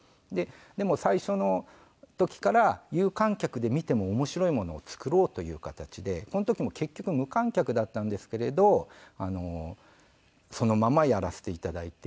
でも最初の時から有観客で見ても面白いものを作ろうという形でこの時も結局無観客だったんですけれどそのままやらせていただいて。